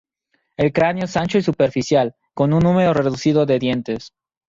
El cráneo es ancho y superficial con un número reducido de dientes.